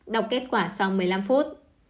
đọc kết quả sau một mươi năm phút